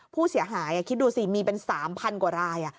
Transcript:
ผู้เสียหายคิดดูสิมีเป็น๓๐๐กว่าราย